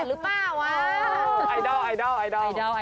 อุ้ยนี่ผู้แฝดหรือเปล่าว่า